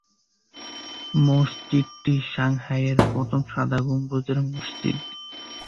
মসজিদটি সাংহাইয়ের প্রথম সাদা গম্বুজের মসজিদ।